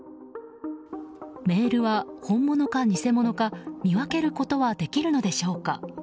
メールは本物か偽物か見分けることはできるのでしょうか。